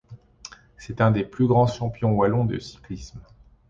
C'est un des plus grands champions wallons de cyclisme.